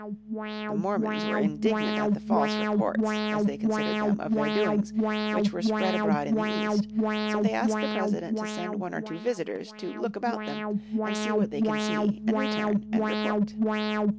'" The Mormons were indignant at the false reports, as they considered them, of their doings which were spread abroad in the East. So they asked the President to send one or two visitors "to look about them and see what they can see, and return and report."